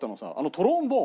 トロンボーン